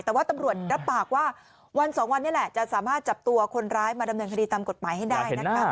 แต่ว่าตำรวจรับปากว่าวันสองวันนี้แหละจะสามารถจับตัวคนร้ายมาดำเนินคดีตามกฎหมายให้ได้นะคะ